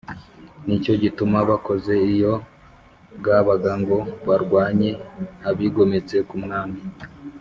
nicyo gituma bakoze iyo bwabaga ngo barwanye abigometse ku mwami